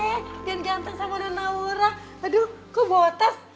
eh dan ganteng sama nona naura aduh kok bawa tas